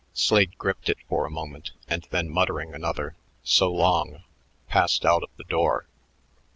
Slade gripped it for a moment, and then, muttering another "So long," passed out of the door.